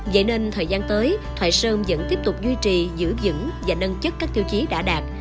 vậy nên thời gian tới thoại sơn vẫn tiếp tục duy trì giữ dững và nâng chất các tiêu chí đã đạt